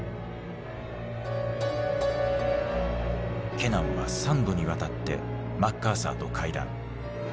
ケナンは３度にわたってマッカーサーと会談。